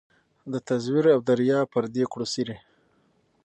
د تزویر او د ریا پردې کړو څیري